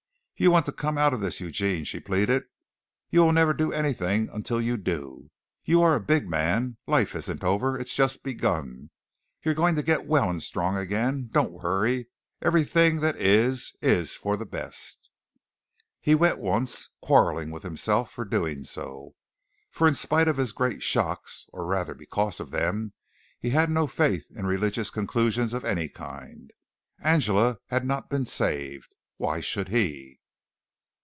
"You want to come out of this, Eugene," she pleaded. "You will never do anything until you do. You are a big man. Life isn't over. It's just begun. You're going to get well and strong again. Don't worry. Everything that is is for the best." He went once, quarreling with himself for doing so, for in spite of his great shocks, or rather because of them, he had no faith in religious conclusions of any kind. Angela had not been saved. Why should he?